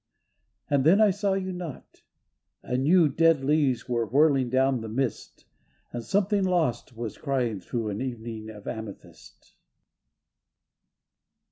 And then I saw you not, and knew Dead leaves were whirling down the mist, And something lost was crying through An evening of amethyst.